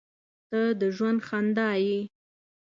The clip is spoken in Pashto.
• ته د ژوند خندا یې.